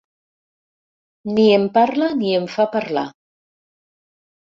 Ni em parla ni em fa parlar.